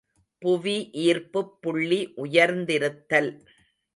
புவி ஈர்ப்புப் புள்ளி உயர்ந்திருத்தல்.